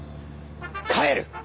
帰る！